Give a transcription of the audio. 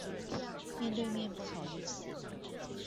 面對面不好意思